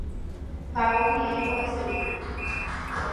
Japón ñe'ẽ mbo'esyry